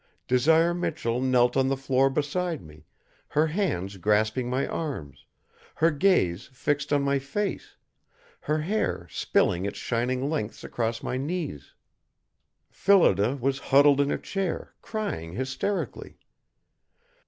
Desire Michell knelt on the floor beside me, her hands grasping my arms, her gaze fixed on my face, her hair spilling its shining lengths across my knees. Phillida was huddled in a chair, crying hysterically.